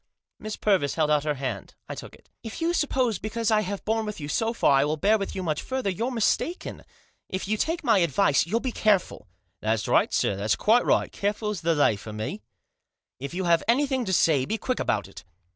Miss Purvis held out her hand. I took it. " If you suppose because I have borne with you so far I will bear with you much further, you're mistaken. If you take my advice, you'll be careful." " That's right, sir ; that's quite right. Careful's the lay for me." " If you have anything to say, be quick about it."